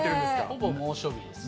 ほぼ猛暑日ですね。